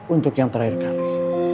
untuk yang terakhir kali